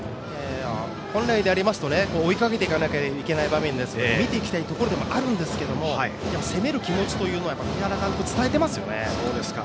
本来でありますと追いかけていかなければいけない場面で見ていきたいところですが攻める気持ち藤原監督、伝えてますよね。